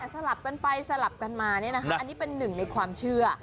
สลับกันไปสลับกันมาอันนี้เป็นหนึ่งในความเชื่อ